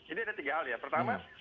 ini ada tiga hal ya pertama